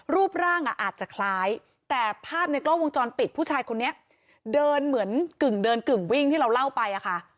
รูปร่างอ่ะอาจจะคล้ายแต่ภาพในกล้องวงจรปิดผู้ชายคนนี้เดินเหมือนกึ่งเดินกึ่งวิ่งที่เราเล่าไปอะค่ะ